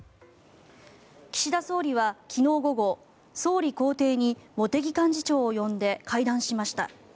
岸田総理は昨日午後総理公邸に茂木幹事長を呼んで会談しました。